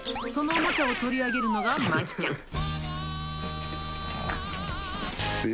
そのおもちゃを取り上げるのがまきちゃん。